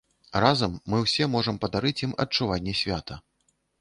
Разам мы ўсе можам падарыць ім адчуванне свята.